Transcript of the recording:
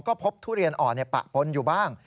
ก็พบทุเรียนอ่อนปะปนอยู่บ้าง